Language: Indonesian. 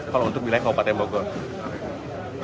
kalau untuk wilayah kabupaten bogor